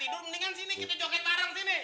bisa tidur mendingan sini kita joget bareng sini